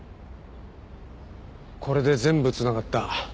これで全部繋がった。